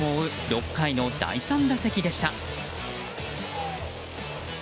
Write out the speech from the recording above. ６回の第３打席でした。